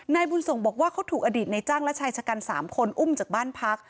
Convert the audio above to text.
นายบุญส่งบอกว่าเขาถูกอดีตในจ้างและชายชะกัน๓คนอุ้มจากบ้านพัก